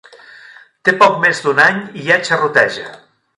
Té poc més d'un any i ja xerroteja.